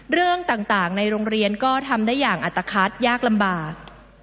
เรื่องต่างในโรงเรียนก็ทำได้อย่างอัตภัทยากลำบาก